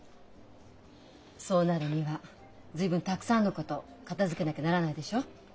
そうなるには随分たくさんのこと片づけなきゃならないでしょ。